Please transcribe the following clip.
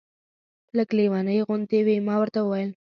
لږ لېونۍ غوندې وې. ما ورته وویل.